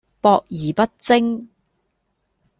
博而不精